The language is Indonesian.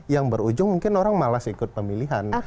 yang berujung mungkin orang malas ikut pemilihan